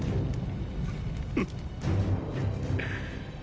フッ。